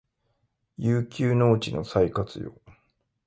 遊休農地の再活用